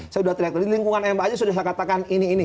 saya sudah teriak teriak lingkungan m a j sudah saya katakan ini ini